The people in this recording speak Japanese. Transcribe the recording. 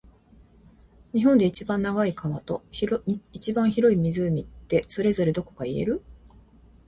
日本で一番長い川と、一番広い湖って、それぞれどこか言える？